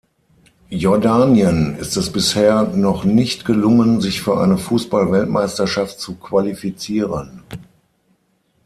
Jordanien ist es bisher noch nicht gelungen, sich für eine Fußball-Weltmeisterschaft zu qualifizieren.